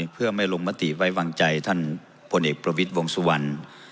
เพื่อไม่ลงมติไว้วางใจท่านพลเอกประวิทย์วงสุวรรณ